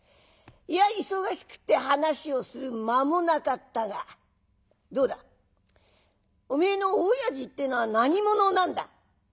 いや忙しくて話をする間もなかったがどうだおめえの親父ってえのは何者なんだ？」。